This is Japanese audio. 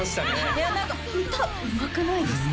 いや何か歌うまくないですか？